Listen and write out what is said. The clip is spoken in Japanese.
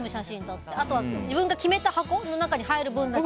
あとは自分の決めた箱の中に入る分だけ。